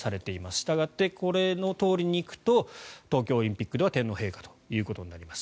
したがってこれのとおりに行くと東京オリンピックでは天皇陛下となります。